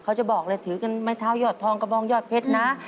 จะบอกเลยถือกันไม้เท้ายอดทองกระบองยอดเพชรนะ